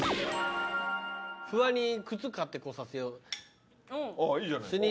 フワに靴買ってこさせよう。